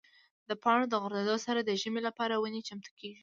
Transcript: د پاڼو د غورځېدو سره د ژمي لپاره ونې چمتو کېږي.